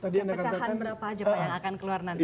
dan pecahan berapa aja pak yang akan keluar nanti